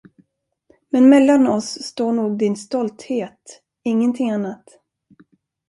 Men mellan oss står nog din stolthet, ingenting annat.